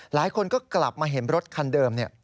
หลายคนก็กลับมาเห็นรถคันเดิม